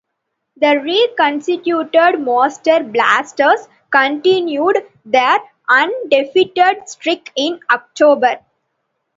The reconstituted Master Blasters continued their undefeated streak in October.